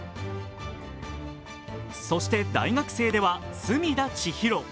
そして大学生では隅田知一郎。